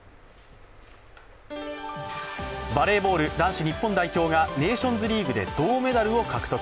バレーボール男子日本代表がネーションズリーグで銅メダルを獲得。